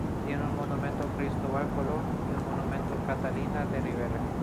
Tiene un monumento a Cristóbal Colón y un monumento a Catalina de Ribera.